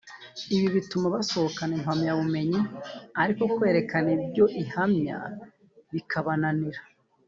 ibi bituma basohokana impamyabumenyi ariko kwerekana ibyo ihamya bikabananira